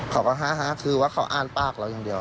เขาก็ฮ่าคือว่าเขาอ้านปากเราอย่างเดียว